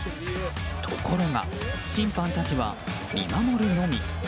ところが審判たちは見守るのみ。